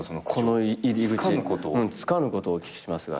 「つかぬことをお聞きしますが」